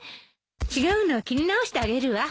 違うのを切り直してあげるわ。